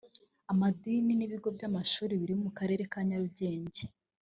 amadini n’ibigo by’amashuri biri mu karere ka Nyarugenge